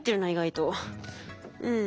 うん。